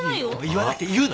言わなくていい。